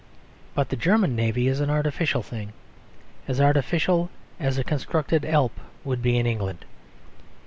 But the German Navy is an artificial thing; as artificial as a constructed Alp would be in England.